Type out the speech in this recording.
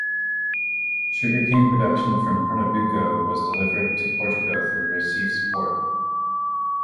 Sugar cane production from Pernambuco was delivered to Portugal through Recife's port.